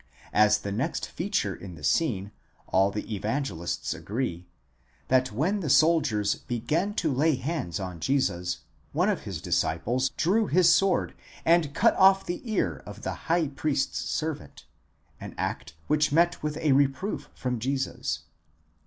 As the next feature in the scene, all the Evangelists agree, that when the soldiers began to lay hands on Jesus, one of his disciples drew his sword, and cut off the ear of the high priest's servant, an act which met with a reproof from Jesus.